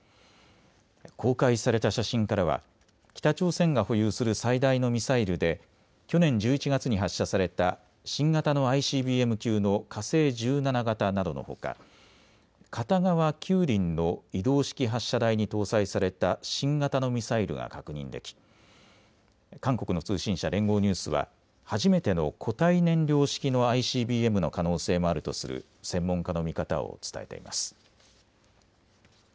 公開された写真からは北朝鮮が保有する最大のミサイルで去年１１月に発射された新型のＩＣＢＭ級の火星１７型などのほか片側９輪の移動式発射台に搭載された新型のミサイルが確認でき韓国の通信社、連合ニュースは初めての固体燃料式のＩＣＢＭの可能性もあるとする専門家の見方を伝えています。